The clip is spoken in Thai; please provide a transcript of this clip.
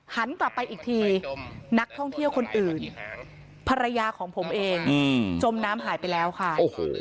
หันกลับไปอีกทีนักท่องเที่ยวคนอื่นภรรยาของผมเองจมน้ำหายไปแล้วค่ะโอ้โห